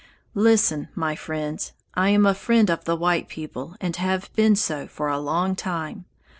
"Listen, my friends, I am a friend of the white people and have been so for a long time.